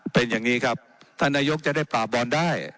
เป็นอย่างนี้ครับท่านนายกจะได้ปราบบอลได้